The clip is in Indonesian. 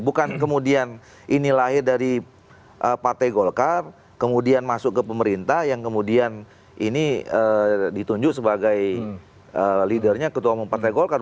bukan kemudian ini lahir dari partai golkar kemudian masuk ke pemerintah yang kemudian ini ditunjuk sebagai leadernya ketua umum partai golkar